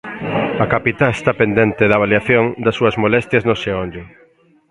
A capitá está pendente de avaliación das súas molestias no xeonllo.